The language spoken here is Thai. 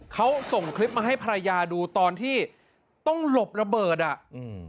เขาส่งคลิปมาให้ภรรยาดูตอนที่ต้องหลบระเบิดอ่ะอืม